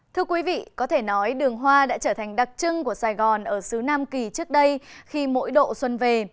thưa quý vị có thể nói đường hoa đã trở thành đặc trưng của sài gòn ở xứ nam kỳ trước đây khi mỗi độ xuân về